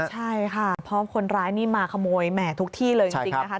ใช่ค่ะเพราะคนร้ายนี่มาขโมยแหมทุกที่เลยจริงนะคะ